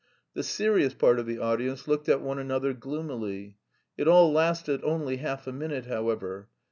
The serious part of the audience looked at one another gloomily; it all lasted only half a minute, however.